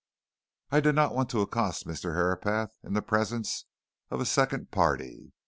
I did not want to accost Mr. Herapath in the presence of a second party.